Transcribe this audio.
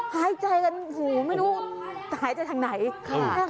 หายใจกันหูไม่รู้จะหายใจทางไหน